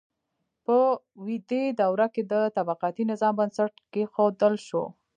په ویدي دوره کې د طبقاتي نظام بنسټ کیښودل شو.